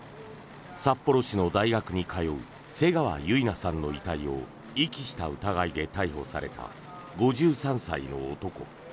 札幌市の大学に通う瀬川結菜さんの遺体を遺棄した疑いで逮捕された５３歳の男。